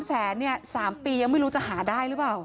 แสนเนี่ย๓ปียังไม่รู้จะหาได้หรือเปล่า